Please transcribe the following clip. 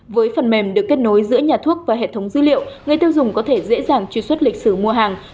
với phần mềm được kết nối giữa nhà thuốc và hệ thống dữ liệu người tiêu dùng có thể dễ dàng truy xuất lịch sử mua hàng